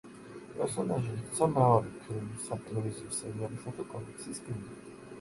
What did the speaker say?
პერსონაჟი იქცა მრავალი ფილმის, სატელევიზიო სერიალისა თუ კომიქსის გმირად.